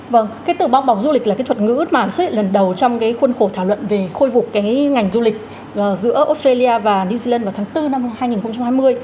vâng cái tử boc bọc du lịch là cái thuật ngữ mà xuất hiện lần đầu trong cái khuôn khổ thảo luận về khôi phục cái ngành du lịch giữa australia và new zealand vào tháng bốn năm hai nghìn hai mươi